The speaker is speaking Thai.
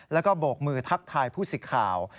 แล้วก็โบกมือทักทายผู้สิทธิ์ข่าว